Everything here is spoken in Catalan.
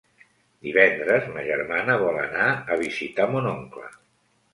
Divendres ma germana vol anar a visitar mon oncle.